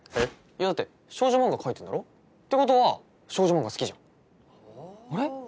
いやだって少女漫画描いてんだろ？ってことは少女漫画好きじゃんあれ？